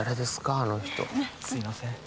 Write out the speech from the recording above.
あの人すいません